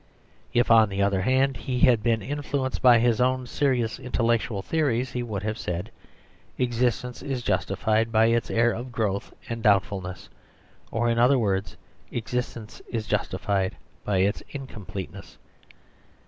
If, on the other hand, he had been influenced by his own serious intellectual theories he would have said, "Existence is justified by its air of growth and doubtfulness," or, in other words, "Existence is justified by its incompleteness."